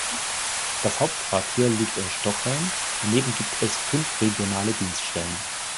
Das Hauptquartier liegt in Stockholm, daneben gibt es fünf regionale Dienststellen.